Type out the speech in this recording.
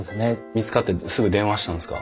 見つかってすぐ電話したんですか？